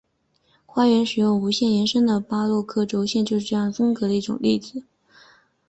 花园使用无限延伸的巴洛克轴线就是这种风格的一个例子。